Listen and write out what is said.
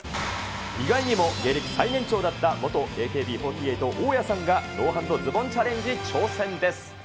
意外にも芸歴最年長だった元ＡＫＢ４８・大家さんが、ノーハンドズボンチャレンジ挑戦です。